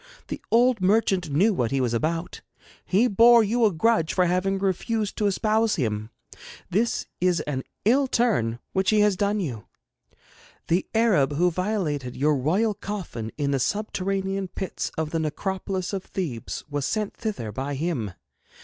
The old merchant knew what he was about. He bore you a grudge for having refused to espouse him. This is an ill turn which he has done you. The Arab who violated your royal coffin in the subterranean pits of the necropolis of Thebes was sent thither by him.